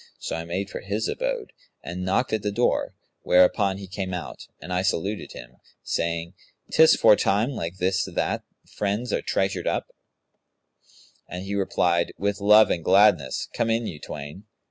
So I made for his abode and knocked at the door, whereupon he came out, and I saluted him, saying, 'Tis for time like this that friends are treasured up'; and he replied, 'With love and gladness! Come in you twain.'